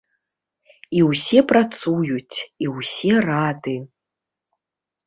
І ўсе працуюць, і ўсе рады.